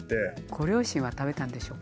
ご両親は食べたんでしょうか。